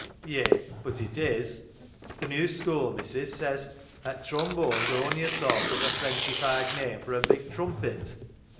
" Yi, but it is. Th' new schoo' missis says 'at trombone's ony a soart of a frenchified name for a big trumpet."